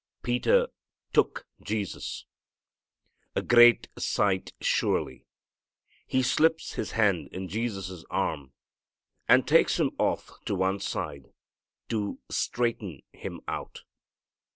Peter "took" Jesus. A great sight surely! He slips his hand in Jesus' arm and takes Him off to one side to straighten Him out.